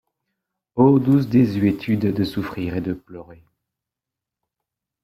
Ô douce désuétude De souffrir et de pleurer!